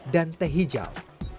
dan teh hijau